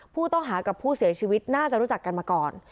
ผู้ต้องหากับผู้เสียชีวิตน่าจะรู้จักกันมาก่อน